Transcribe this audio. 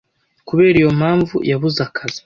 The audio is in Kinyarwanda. Kubera iyo mpamvu, yabuze akazi.